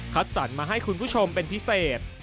สรรมาให้คุณผู้ชมเป็นพิเศษ